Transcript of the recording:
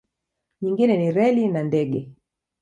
Nyingine ni reli na ndege.